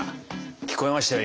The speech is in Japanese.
聞こえましたよ